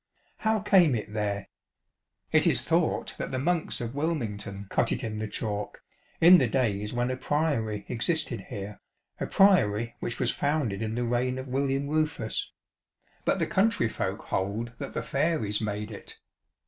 How came it there ? It is thought that the monks of Wilmington cut it in the chalk, in the days when a priory existed here, a priory which was founded in the reign of William Rufas ; but the country folk hold that the fairies made it.